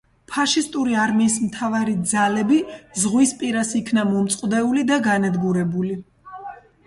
ფაშისტური არმიის მთავარი ძალები ზღვის პირას იქნა მომწყვდეული და განადგურებული.